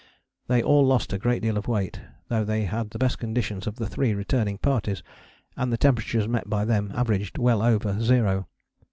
They all lost a great deal of weight, though they had the best conditions of the three returning parties, and the temperatures met by them averaged well over zero.